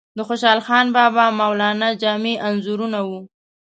د خوشحال بابا، مولانا جامی انځورونه وو.